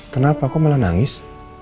kenapa kok malah nangis